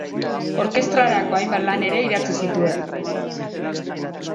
Orkestrarako hainbat lan ere idatzi zituen.